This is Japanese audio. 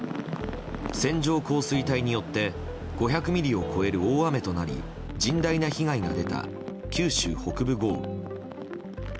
線状降水帯によって５００ミリを超える大雨となり甚大な被害が出た九州北部豪雨。